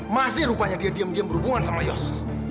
masih rupanya dia diem diem berhubungan sama yos